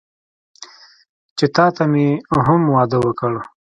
چې تاته مې هم واده وکړ.